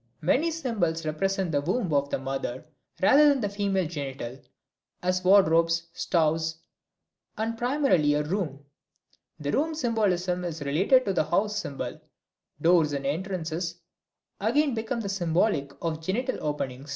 Many symbols represent the womb of the mother rather than the female genital, as wardrobes, stoves, and primarily a room. The room symbolism is related to the house symbol, doors and entrances again become symbolic of the genital opening.